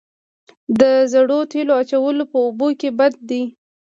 د زړو تیلو اچول په اوبو کې بد دي؟